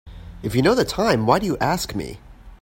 If you know the time why do you ask me?